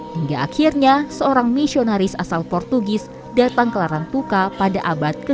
hingga akhirnya seorang misionaris asal portugis datang ke larantuka pada abad ke sembilan belas